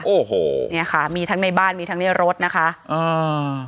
โอ้โหเนี่ยค่ะมีทั้งในบ้านมีทั้งในรถนะคะอ่า